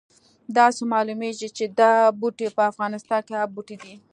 داسې معلومیږي چې دا بوټی په افغانستان کې عام بوټی دی